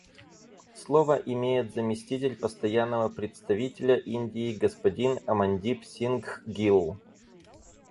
Слово имеет заместитель Постоянного представителя Индии господин Амандип Сингх Гилл.